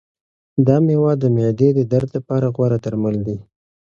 دا مېوه د معدې د درد لپاره غوره درمل دی.